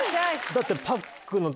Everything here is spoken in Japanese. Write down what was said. だって。